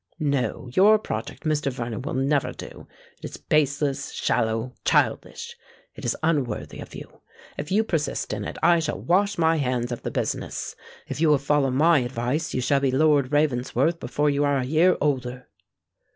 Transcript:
No—your project, Mr. Vernon, will never do: It is baseless—shallow—childish. It is unworthy of you. If you persist in it, I shall wash my hands of the business:—if you will follow my advice, you shall be Lord Ravensworth before you are a year older."